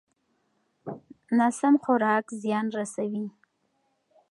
ناسم خوراک زیان رسوي.